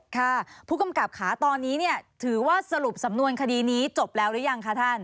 ค่ะผู้กำกับค่ะตอนนี้เนี่ยถือว่าสรุปสำนวนคดีนี้จบแล้วหรือยังคะท่าน